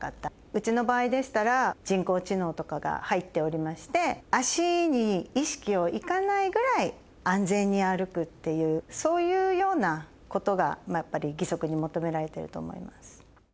うちの場合でしたら、人工知能とかが入っておりまして、足に意識を行かないぐらい安全に歩くっていう、そういうようなことがやっぱり義足には求められていると思います。